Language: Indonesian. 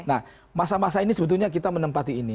nah masa masa ini sebetulnya kita menempati ini